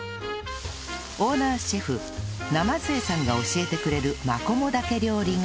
オーナーシェフ鯰江さんが教えてくれるマコモダケ料理が